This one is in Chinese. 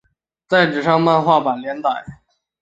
在上有漫画版连载。